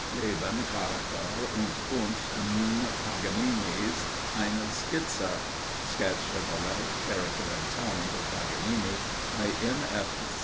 "Leben, Character und Kunst N. Paganini's. Eine Skizze," (Sketch of the Life, Character, and Talent of Paganini, by M.